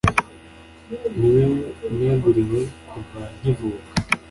Ni wowe neguriwe kuva nkivuka